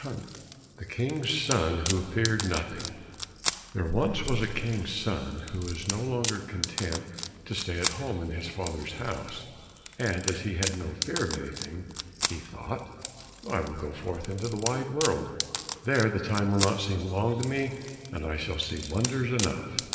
121 The King's Son Who Feared Nothing There was once a King's son, who was no longer content to stay at home in his father's house, and as he had no fear of anything, he thought, "I will go forth into the wide world, there the time will not seem long to me, and I shall see wonders enough."